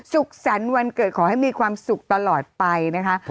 สุขสรรค์วันเกิดขอให้มีความสุขตลอดไปนะคะ